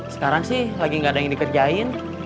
sekarang sih lagi nggak ada yang dikerjain